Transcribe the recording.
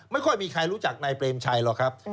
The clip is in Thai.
ไม่ค่อยมีใครรู้จักนายเปรมชัยหรอกครับ